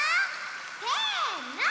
せの！